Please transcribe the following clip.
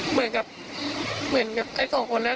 เหมือนกับไอ้สองคนแล้ว